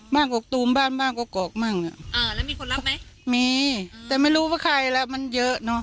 กกตูมบ้านบ้างกกอกบ้างน่ะอ่าแล้วมีคนรับไหมมีแต่ไม่รู้ว่าใครแล้วมันเยอะเนอะ